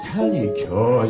教授！